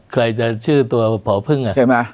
ใครจะชื่อตัวพอพึ่ง